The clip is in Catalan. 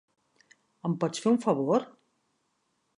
Em pots fer un favor?